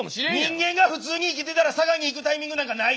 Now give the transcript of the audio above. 人間が普通に生きてたら佐賀に行くタイミングなんかない。